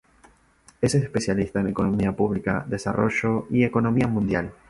Es especialista en economía pública, desarrollo y economía mundial.